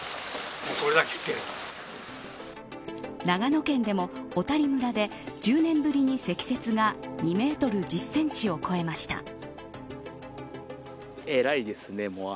長野県でも小谷村で１０年ぶりに積雪が２メートル１０センチを超えました。